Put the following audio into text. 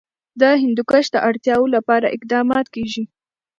د هندوکش د اړتیاوو لپاره اقدامات کېږي.